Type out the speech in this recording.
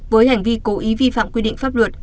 với hành vi cố ý vi phạm quy định pháp luật